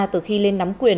từ khi lên nắm quyền